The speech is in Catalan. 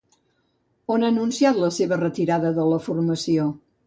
On ha anunciat la seva retirada de la formació?